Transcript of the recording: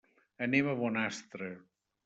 Anem a Bonastre.